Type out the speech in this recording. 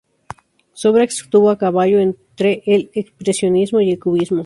Su obra estuvo a caballo entre el expresionismo y el cubismo.